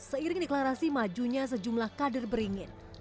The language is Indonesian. seiring deklarasi majunya sejumlah kader beringin